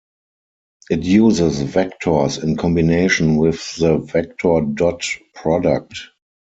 It uses vectors in combination with the vector dot product.